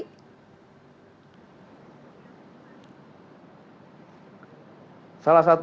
salah satu bentuk efektifitas atau strategi yang saya lakukan adalah